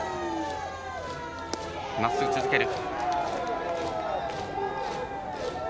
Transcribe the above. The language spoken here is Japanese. まっすぐ続ける。